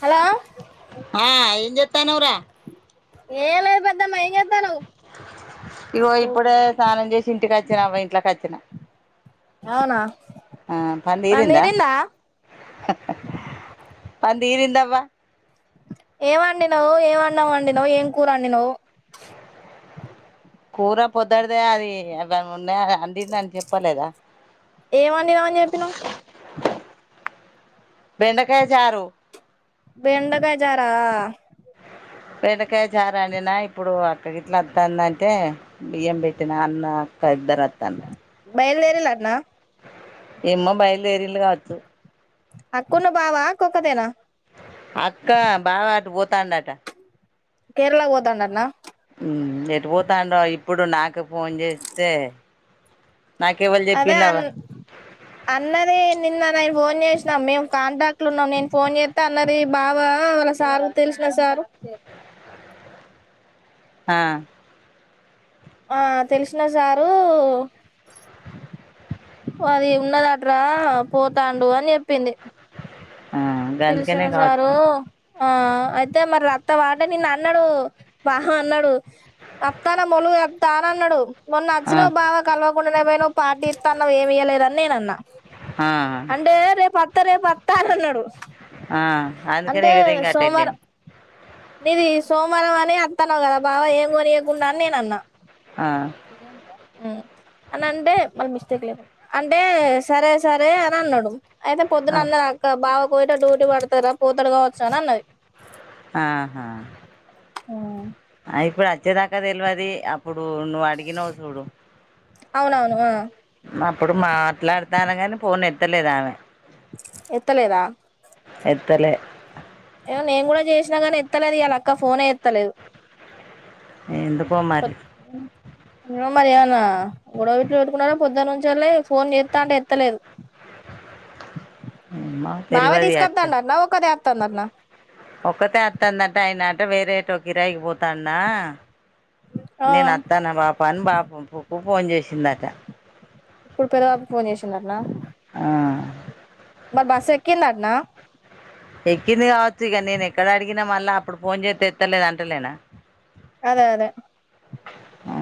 Hello కనరా ఏ లేదు పెద్దమ్మ ఇం చేద్దానువు ఇగో ఇప్పుడే స్నానం చేసి ఇంటికి వచ్చిన అవ ఇంట్లోకి వచ్చినా. అవునా ఆ పంద పని ఇరిందా తీరిందా అందీరిందవ్వ ఏమండి నువ్వు ఏమన్నావండి నువ్వు ఏం కూరవండినవ్. కూర పొదిటిదే అది అ మున్న అందుందని చెప్పలేదా. ఏం వండినవు అని చెప్పినవు బెండకాయ చారు బెండకాయి చారా బండకాయ చారాండినా ఇప్పుడు అక్క గిట్లా వత్తాంద అంటే బియ్యం పెట్టిన అన్న అక్క ఇద్దరు వత్తాండే. బయలుదేరలన్నా ఏమ్మ బయలుదేరిలు కావచ్చు. అక్కున్న బావా ఓక్కదేనా అక్కా బావాటు పోతాండట కేరళ పోతండన ఎటు పోతాండో ఇప్పుడు నాకు ఫోన్ చేస్తే నాకెవలు అదే చెప్పిళ్ళు అవ్వ అన్ అన్నది నిన్న ఫోన్ చేసినాం మేము కాంటాక్ట్ లో ఉన్నాం. నేను ఫోన్ చేస్తే అన్న బావా వాళ్ళ సార్ తెలిసిన సార్ ఆ ఆ తెలిసిన సారు అది ఉన్నదట్రా పోతాండు అని చెప్పింది. ఆ తెలిసిన గందుకనే సారు కావచ్చు ఆ అయితే మరి అత్త వాడ నిన్ను అన్నాడు బావ అన్నాడు అత్తానా మొలుగు అ తానా అన్నాడు. మొన్న ఆ నచ్చినా బావ కలవ మొన్ననే పోయినవ్ పార్టీ ఇతన్నావ్ ఏమియ్యలేదని నేన అన్నా. ఆ అంటే రే పా రేపతా రేపత అన్నడు. ఆ అందుక ఎగదేంగ అట్టాయితే నీది సోమవారం అని వత్తాన్నావు కదా బావ ఏం కొనియకుండా అని నేను అన్నా. ఆ ఇదింది రేంద్ర మ్ అని అంటే మళ్ళీ మిస్టేక్ లేదు. అంటే సరే సరే అని అన్నాడు. అయితే పొద్దున ఆ అన్నది అక్క బావకు డ్యూటీ పడతారా పోతడు కావచ్చా అని అన్నది. ఆహా ఆ ఇప్పుడు వచ్చేదాకా తెల్వది. అప్పుడు నువ్వు అడిగినవవు చూడు. అవును అవును ఆ అప్పుడు మాట్లాడతాన కాని ఫోన్ ఎత్తలేదు ఆమె ఎత్తలేదా ఎత్తలే ఏమో నేను కూడా చేసినా గానీ ఎత్తలేదు ఇయాల అక్క ఫోనే ఎత్తలేదు ఎందుకో మరి ఏమో మరి ఏమన్నా గొడవవిట్లు వెట్టుకున్నార పొద్దున్నుంచి అల్లే ఫోన్ చేత్తాంటే ఎత్తలేదు ఏమో భావే తెల్వది అత్త తీసుకద్దడంట్న ఒక్కదే త్తందట్నా ఒక్కతే అత్తందట ఆయనెటో వేరేటో కిరాయిగివోతన్నా ఆ నేను అత్తనా బాప్ అన్ బాపు పో పో ఫోన్ జేసిందట ఇప్పుడు పెద బాపుకు ఫోన్ చేసిందట్నా ఆ మరి బస్ ఎక్కిందట్నా ఎక్కింది కావచ్చు ఇక నేను ఎక్కడ అడిగినా మళ్ళా అప్పుడు ఫోన్ చేత్తే ఎత్తలేదు అంటలేనా అదే అదే ఆ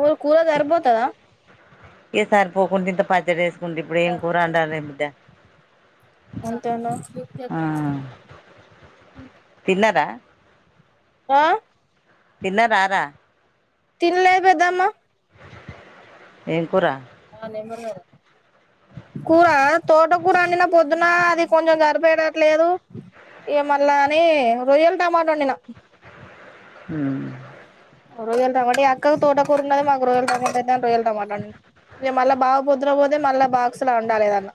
ఊర్ కూర సరిబోతాదా ఏ సర్ పోకుంటే ఇంత పచ్ పచ్చడేసుకుంటే ఇప్పుడు ఏం కూర అండలే బిడ్డ అంతేనా ఆ తిన్నరా ఆ తిన్నరా రా తినలే పెద్దమ్మా ఏంకూర కూరా తోట కూర వండిన పొద్దున అది కొంచెం సరిపోయేటట్లేదు ఇగ మళ్ళ అని రొయ్యల్ టమాటా వండినా హుమ్ రోయల్ టమాట ఈ అక్కకు తోట కూర ఉన్నది మాకు రోయల్ టమాట అయిని రోయల్ టమాటావండిన మళ్ళ బాబు పొద్దున పోతే మళ్ళ బాక్స్ లా ఉండాలి దాన్ల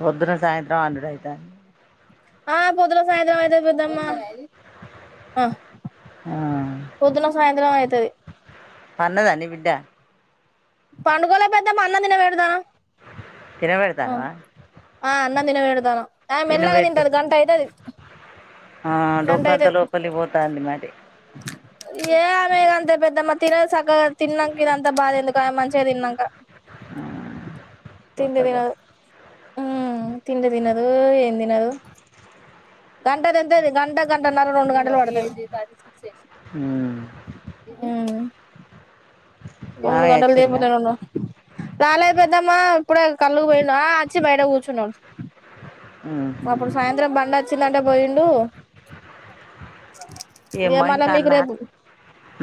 పొద్దున సాయంత్రం అండుడైతాంది ఆ పొద్దున సాయంత్రం అయితది పెద్దమ్మా అ ఆ పొద్దున సాయంత్రం అయితది పన్నదా నీ బిడ్డ పండుకోలే పెద్దమ్మ అన్న తినేకి పెడతన్న తిన బెతానవ అనఅన్నం తినబెడతన్న తిన బెట్టు గంట డొక్కంత అయితది లోపలికి పోతంది మన్ ఏ ఆమెద అంతే పెద్దమ్మా తినదు చక్కగా తిన్నాక ఇదంత బాధ ఎందుకు మంచిగా తిన్నాక పోసా గోస్ ఉమ్మ్ తిండి తినదు ఏం తినదు గంట తింతది గంట గం ంటన్నన్నార రెండు గంటలు వడదది హ్మ్మ్ మ్మ్ రెండు మామయ్య గంటల సేపు వచ్చిండా ఇందనే ఉన్న రాలే పెద్దమ్మ ప్పుడే కళ్ పోయినా అచ్చి బయట కూచున్నా ఉహు అప్పుడు సాయంత్రం బండి వచ్చిందంటే పోయిండు ఇగ ఏమో మళ్ళ ఇంకా మీకు అన్నారు రేపు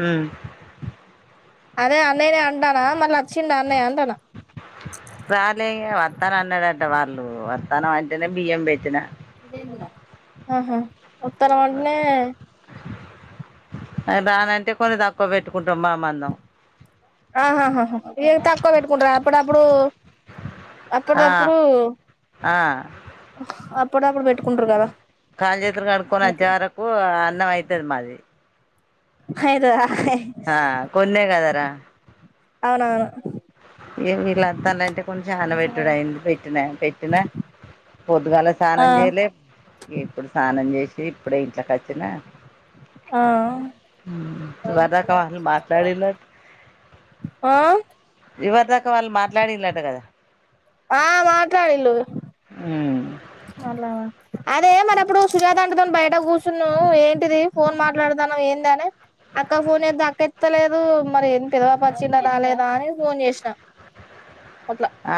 ఉమ్ అదే అన్నయ్యనే అంటానా మళ్ళీ వచ్చిండ అన్నయ్య అంటానా రాలే వత్త ఇగ అన్నడానా ంట వాళ్ళు వత్తనం అంటేనే బియ్యం పెట్టిన ఆ హా ఉత్తరం అంటనే రాానంటే కొన్ని తక్కువ పెట్టుకుంటాం బా మందం ఆహాహాా ఏం తక్కువ పెట్టుకుంట్ర అప్పుడు అప్పుడు అప్పుడు ఆ దప్పుడు ఆ అప్పుడప్పుడు పెట్టుకుంటరు కదా కాళ్ళు చేతులు కడుక్కొని వచ్చే అట్లా వరకు అన్నం అయితది మాది హైతదా ఆ కొన్నే గదా రా అవునవును ఏ వీళ్ళంతాలంటే కొంచ నాన పెెట్టుడు అయింది పెట్టిన పెట్టిన పొద్దుగాల ఆ స్నానం చేయలే ఇప్పుడు స్నానం చేసి ఇప్పుడే ఇంట్లకి వచ్చిన ఆ మ్మ్ బధాకవాలు మాట్లాడిం ఆ చివరి దాకా వాళ్ళు మాట్లాడిలట కదా ఆ మాట్లాడిలుు ఉమ్ అలా అదే మరి అప్పుడు సుజాత ఆంటీ తోని బయట కూర్చున్నా ఏంటిది ఫోన్ మాట్లాడతాను ఏంది అని అక్క ఫోన్ చేత్తే అక్క ఏత్తుతలేదు మరి ఏ ప పెదపాప వచ్చిందా రాలేదా అని ఫోన్ చేసినా ఆ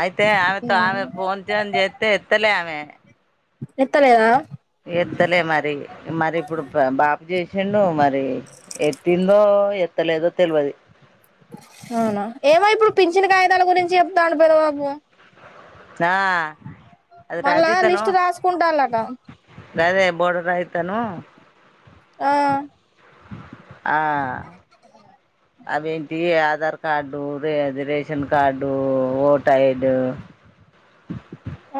అయితే ఆమెతో ఆమె ఫోన్ తోని చేస్తే త్తలేమె ఎత్తలేదా ఎత్తలే మరి మరి ఇప్పుడు బాప్ చేసిండు మరి ఎత్తిందో ఎ త్త లేదో తెలివది అవునా ఏమో ఇప్పుడు పించని కాగిదాల గురించి చెప్తాను పెద బాబు ఆ అది మళ్ళా లిస్ట్ రాసుకుంటాలటా దాదే బోర్ యితను ఆ [inaudible] ఆ అవేంటి ఆధార్ కార్డు రే రేషన్ కార్డు ఓట్ ఐడు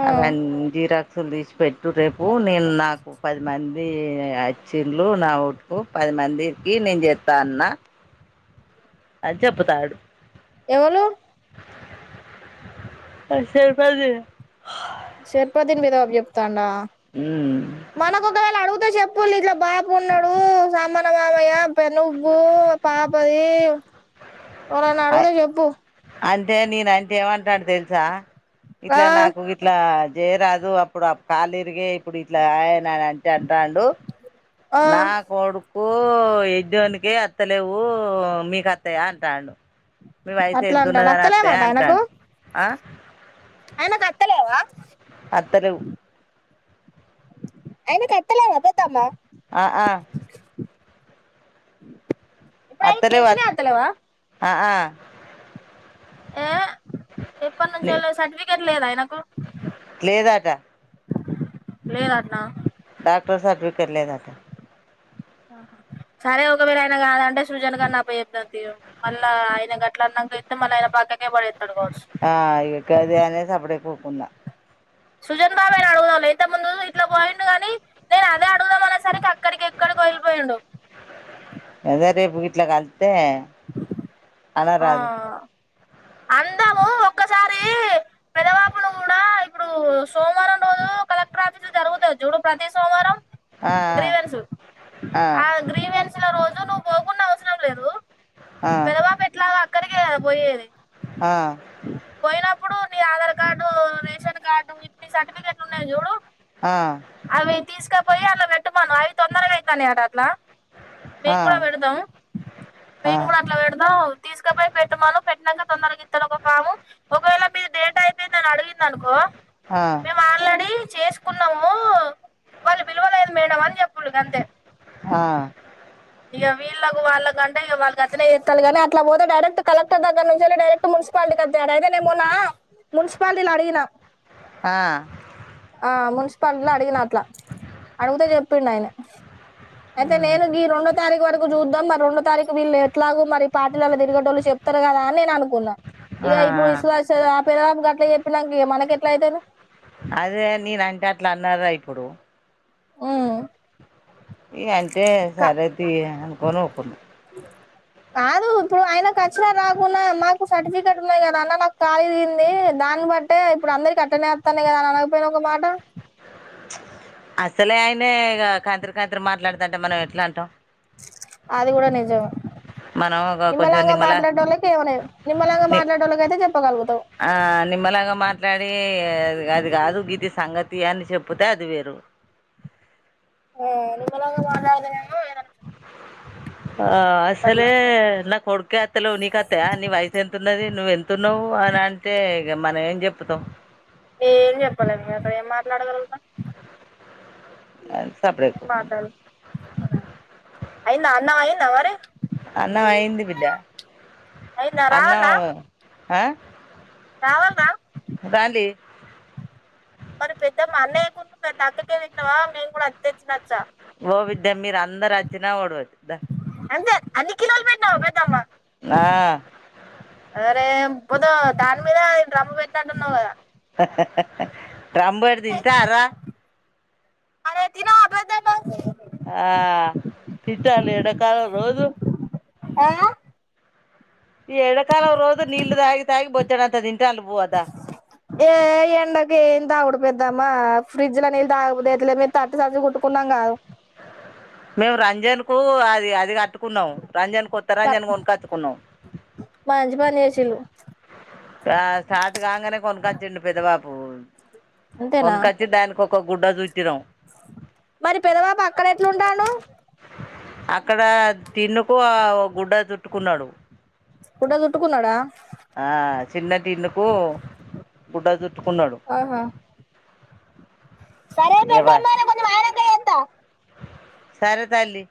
ఆ అవన్ని జీరా సుదీష్ పెట్ చటు రేపు నేను నాకు పది మంది వచ్చిండ్లు నా ఓటు కి పది మందికి నేను చేస్తా అన్న అని చెబతాడు ఎవరు స పజ శర్ప దీని మీద చెప్తాండా ఉమ్ మనకు ఒకవేళ అడుగుతే చెప్పులు ఇట్లా బాప ఉన్నాడు సామాన మామయ్య నువ్వు పాపది ఓరన్న అడుగుతే చెప్పు అంటే నేనంటే ఏమంటాడు తెలుసా ఆ ఇట్లా నాకు ఇట్లా జయ రాదు అప్పుడు కాలిరిగి ఇప్పుడు ఇట్ల ఆయన అంట రండు ఆ నా కోడుకు ఓయ్ నికికి అత్తలేవ్ ఊ మీకోత్తాయా అంటాను అట్లా ఉంటా అత్తలేదన్ట ఆయనకు అంటాండు ఆ ఆయనకు అత్తలేవా [inaudible] అత్తలేవు అయినా కట్టలే రా బతామ్మ అఆ ఇప్పుడు ఆయన పెన్షనే అత్తరేవత్ అత్తలేవా అఅ యే య్ ఎప్పనుంచెల్లో సర్టిఫికెట్ లేద్ అయిన కు [unintelligible] లేదట లేదాట్న తో సర్టిఫికెట్ లేదట ఆ సరే ఒగవేళ ఆయన గాదంటే సృజన గన్న అప్పజెప్పుదం తీ మళ్ళా ఆయన గట్ల అన్నంక ఇస్తే మళ్ళీ ఆయన పక్కకే పడేత్ ఆ ఇగ అది అనేసి అప్పుడు [inaudible] ఉన్నా సుజన్ బాబాయ్ ను అడుగుదాంలే ఇంతకముందు ఇ ఇట్లా పోయిండు గాని నేను అదే అడుగుదాం అనేసరికి అక్కడికి ఎక్కడికొ వెళ్ళిపోయిండు అదే రేపు గిట్ల కలు త్తే ఆ అందాము ఒక్కసారీ పెదబాపును కూడా ఇప్పుడు సోమవారం రోజు కలెక్టర్ ఆఫీస్ జరుగుతాది చూడు ప్రతి సోమవారం ఆ గ్రీవెన్స్ ఆ ఆ అగ్రిమెంట్సు ఇచ్చిన రోజు నువ్వు పోకున్న అవసరం లేదు అదే పెదబాపు ఎ అక్కడికె గద పొయ్యేది ఆ ఇప్పుడు నీ ఆధార్ కార్డూ రేషన్ కార్డూ ఇప్నిస్తా అంటే సర్టిఫికేట్లు ఉన్నాయి చూడు అవి తీసుకపోయి అన్లా పెట్టమను అవి తొందరగ అయ్యితాన్నై అట అట్లా మేం కూడా పెడదాం మేం కూడా అట్లా పెడదాం తీసుకపోయి పెట్టుమను పెట్టినాక తొందరగా ఇత్తారు ఒక ఫాము ఒకవేళ మీ డేటా అయ్యిపోయింది అని అడిగింది అనుకో మేమ్ ఆల్రెడీ చేస్ కున్నాం ఓ వాళ్ళు పిలువలేదు మేడం అని చెప్పుల్లుగంతే హా ఇక వీళ్ళకు వాళ్ళకంటే ఇక వాళ్ళు గట్లనే చెత్తరుగాని అట్లా పోతే డైరెక్ట్ కలెక్టర్ దగ్గర నుంచి డైరెక్ట్ మున్సిపాలిటీకి అట్లయితే నేను మొన్న మున్సిపాలిటీలో అడిగిన ఆ ఆ మున్సిపాలిటీలో అడిగిన అట్లా అడిగితే చెప్పిండు ఆయనే ఆయితే నేను గీ రెండో తారీఖు వరక్ చూద్దాం మరెండో తారీకు వీళ్ళు ఎట్లాగో మరి పార్టీలలో తిరిగేటోళ్లు చెప్తారు కదా అని నేననుకున్నా ఇగ ఇప్పుడు ఇసుకేస్తే ఆపేద [unintelligible] ఇట్లా చెప్పినాక మనకి ఎట్లా అయితరు అదే నీనంటే అట్లా అన్నారా ఇప్పుడు ఉహ్ ఇగ అంటే సరే తి అనుకొని ఊకున్న కాదు ఇప్పుడు ఆయనకచ్చిన రాకున్న మాకు సర్టిఫికెట్ ఉన్నాయి కదా అన్న నాకు కాలేజీంది దాన్ని బట్టే ఇప్పుడు అందరికట్లనే ఒత్తన్నయి కదా అని అనకపోయినవ్ ఒక మాట అస్సలే ఆయనే కంతిరి కంతిరి మాట్లాడతంటే మనం ఎట్ల అంటాం అది కూడా నిజమే మనం ఒక కొంచెం నిమ్మలంగా నిమ్మలా మాట్లాడేటోళ్ళకి ఏమలేదు నిమ్మలంగా నిమ్ మాట్లాడేటోళ్ళకి అయితే చెప్పగలుగుతావు ఆ నిమ్మలంగ మాట్లాడి అది గాదు ఇది సంగతి అని చెపుతే అది వేరు ఆ నిమ్మలంగ మాట్లాతనీమో ఆ అసలే అట్లా నా కొడుకే అత్తలేవు నీకత్తయా నీ వయసు ఎంతున్నది నువ్ ఎంతున్నావు అని అంటే ఇగ మనం ఏం చెప్పుతం ఏం చెప్పలేము ఇగ అక్కడ ఏం మాట్లాడగలుగుతాం అని సప్పుడేక ఏం ఊకున్న మాటల్ అయిందా అన్నం అయి త వరి అన్నం అయింది బిడ్డ అయిందా అన్నం హా రావాల్నా మరి పెద్దమ్మ అన్నయ్య కున్ను పెద్ద అక్కకే ఇత్తవా మేము కూడా అత్తేతినచ్చా ఓ విడ్డ మీరు అందరు అచ్చినా ఓడవది ద అంతే అన్ని కిలోలు పెట్టినవా పెద్దమ్మ ఆ ముందు దాని మీద డ్రమ్ము పెట్నట్టున్నావు కదా హా హా హా డ్రంబడు తింటాడ్రా ఆరే తినవా పెద్దమ్మ ఆ తింటాంది ఎడకాలం రోజు ఆ ఈ ఎండకాలం రోజు నీళ్లు తాగి తాగి బొచ్చడంత తింటాండ్లు బువ్వ దా ద్దమ్మా ఫ్రిడ్జ్ లో నీల్లు తాగబుద్దయితలే మేం తట్టు సంచి కుట్టుకున్నాం కాదు రంజన్ కు అది అది కట్టు కున్నాం రంజన్ కొత్త రంజన్ కొనుకాచ్చుకున్నాం మంచి పని చేసిళ్ళు ఆ స్టార్ట్ కాంగనే కొనుకాచ్చిండు పెద్ద బాపు అంతేనా కొన్ కాచ్చి దానికోక్ క గుడ్డ చుట్ మరి పెదవాపు అక్కడ ఎట్లుంటండు అక్కడ టిన్నుకు ఆ గుడ్డ చుట్టుకున్నాడు గుడ్డ చుట్టుకున్నడా ఆ చిన్న టిన్ను ఒ గుడ్డ చుట్టుకున్నాడు సరే ఇక పెద్దమ్మ నే కొంచమయినంక చేత్త సరే తల్లి